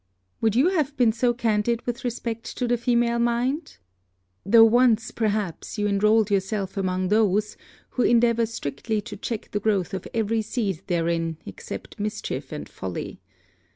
Would you have been so candid with respect to the female mind? though once, perhaps, you enrolled yourself among those who endeavour strictly to check the growth of every seed therein except mischief and folly.